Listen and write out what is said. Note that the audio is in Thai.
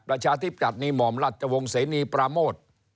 ประชาธิปัตธ์นีหมอมรัฐจวงเสนีปราโมธ